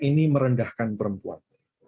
ini merendahkan perempuan